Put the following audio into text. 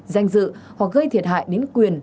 danh dự hoặc gây thiệt hại đến quyền